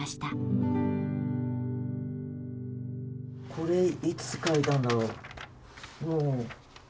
これいつ書いたんだろう。